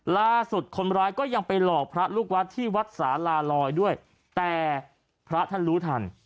ล่าสุดคนร้ายก็ยังไปหลอกพระลูกวัดที่วัดสาลาลอยด้วยแต่พระท่านรู้ทัน